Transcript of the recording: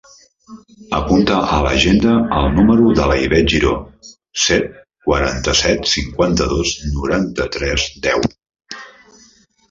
Apunta a l'agenda el número de l'Ivette Giro: set, quaranta-set, cinquanta-dos, noranta-tres, deu.